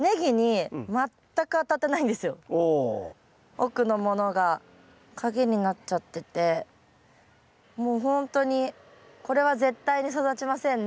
奥のものが陰になっちゃっててもうほんとにこれは絶対に育ちませんね。